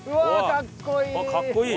かっこいい。